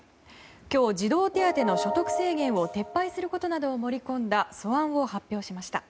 今日、児童手当の所得制限を撤廃することなどを盛り込んだ素案を発表しました。